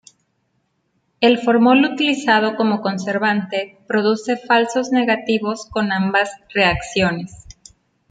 El formol utilizado como conservante produce falsos negativos con ambas reacciones.